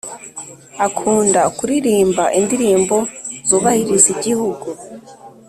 akunda kuririmba indirimbo zubahiriza igihugu